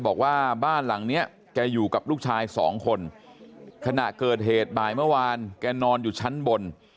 บอกว่าบ้านหลังเนี้ยแกอยู่กับลูกชายสองคนขณะเกิดเหตุบ่ายเมื่อวานแกนอนอยู่ชั้นบน